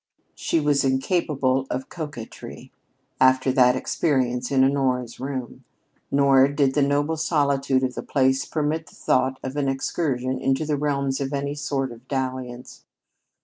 She was incapable of coquetry after that experience in Honora's room; nor did the noble solitude of the place permit the thought of an excursion into the realms of any sort of dalliance.